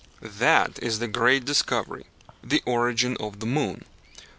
That is the great discovery the origin of the moon.